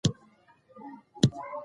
الله ته رجوع کول د نجات لاره ده.